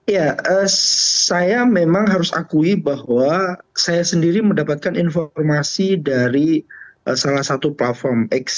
ya saya memang harus akui bahwa saya sendiri mendapatkan informasi dari salah satu platform x